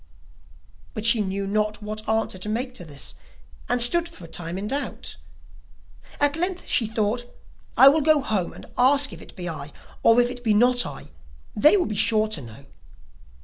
But she knew not what answer to make to this, and stood for a time in doubt; at length she thought: 'I will go home and ask if it be I, or if it be not I, they will be sure to know.